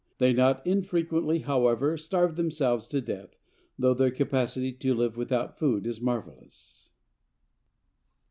"They not infrequently, however, starve themselves to death, though their capacity to live without food is marvelous."